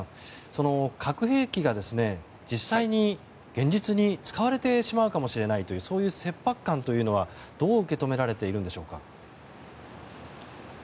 その核兵器が実際に現実に使われてしまうかもしれないというそういう切迫感というのはどう受け止められているんでしょうか。